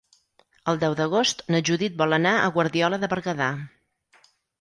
El deu d'agost na Judit vol anar a Guardiola de Berguedà.